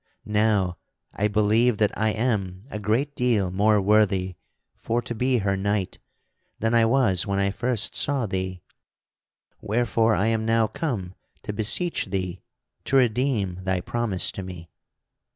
Now, I believe that I am a great deal more worthy for to be her knight than I was when I first saw thee; wherefore I am now come to beseech thee to redeem thy promise to me.